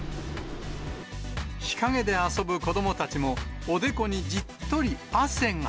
日陰で遊ぶ子どもたちも、おでこにはじっとり汗が。